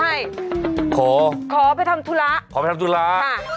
หรอขอใช่ขอไปทำธุราขอไปทำธุรา